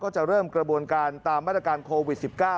จะเริ่มกระบวนการตามมาตรการโควิด๑๙